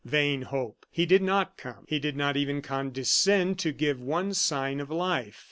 Vain hope! He did not come; he did not even condescend to give one sign of life.